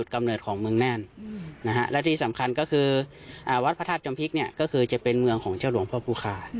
จะมีพิธีทำบุญตามความเชื่อของชาวลาตนา